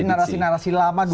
jadi narasi narasi lama